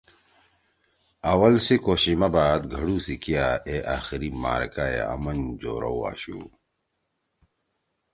اوَل سی کوشش ما بعد گھڑُو سی کیا اے آخری معرکہ ئے آمن جورَؤ آشُو“